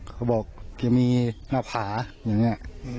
เขาบอกจะมีหน้าผาอย่างนี้